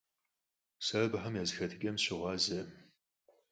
Сэ абыхэм я зэхэтыкӀэм сыщыгъуазэкъым.